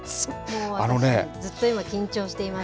ずっと今、緊張しています。